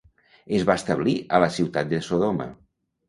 Es va establir a la ciutat de Sodoma.